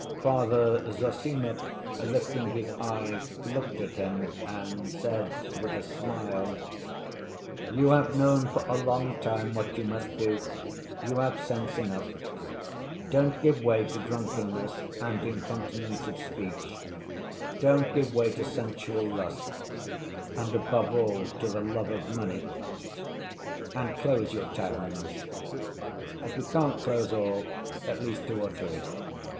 Father Zossima, lifting his eyes, looked at him, and said with a smile: "You have known for a long time what you must do. You have sense enough: don't give way to drunkenness and incontinence of speech; don't give way to sensual lust; and, above all, to the love of money. And close your taverns. If you can't close all, at least two or three.